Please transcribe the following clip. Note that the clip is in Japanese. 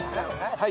はい。